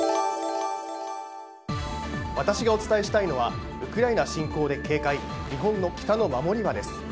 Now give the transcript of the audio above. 私がお伝えしたいのはウクライナ侵攻で警戒日本の北の守りはです。